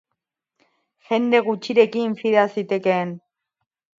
Jende gutxirekin fida zitekeen.